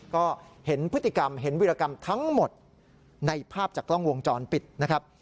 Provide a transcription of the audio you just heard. ก็เห็นพฤติกรรมเห็นวิรากรรมทั้งหมดในภาพจากกล้องวงจรปิดนะครับ